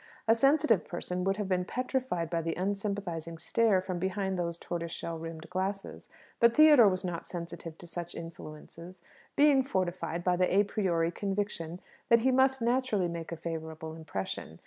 A sensitive person would have been petrified by the unsympathizing stare from behind those tortoise shell rimmed glasses; but Theodore was not sensitive to such influences: being fortified by the à priori conviction that he must naturally make a favourable impression.